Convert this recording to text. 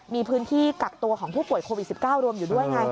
มีพื้นที่กักตัวของผู้ป่วยโควิด๑๙รวมอยู่ด้วยไง